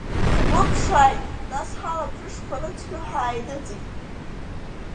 Ҳгәы ԥшааит, нас ҳалабжышқәа рыцқьо ҳааидыҵит.